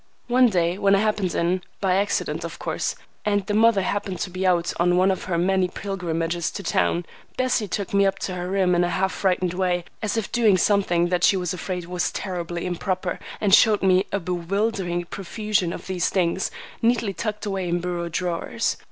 One day, when I happened in,—by accident, of course,—and the mother happened to be out on one of her many pilgrimages to town, Bessie took me up to her room in a half frightened way, as if doing something that she was afraid was terribly improper, and showed me a bewildering profusion of these things, neatly tucked away in bureau drawers.